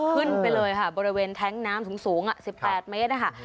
ขึ้นไปเลยค่ะบริเวณแท็งก์น้ำสูงสิบแปดเมตร